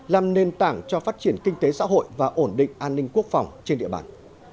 làm nền tảng cho phát triển kinh tế xã hội và ổn định an ninh quốc phòng trên địa bàn